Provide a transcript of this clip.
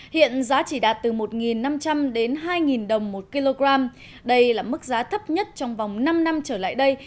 hiện giá chỉ đạt từ một năm trăm linh đến hai đồng một kg đây là mức giá thấp nhất trong vòng năm năm trở lại đây